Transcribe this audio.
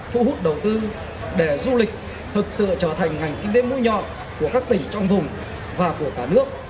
phụ hút đầu tư để du lịch thực sự trở thành ngành kinh tế mũi nhọn của các tỉnh trong vùng và của cả nước